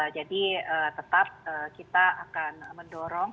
jadi tetap kita akan mendorong